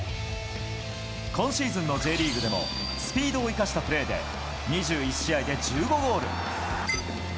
今シーズンのＪリーグでもスピードを生かしたプレーで２１試合で１５ゴール。